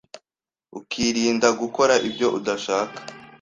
ukirinda gukora ibyo udashaka.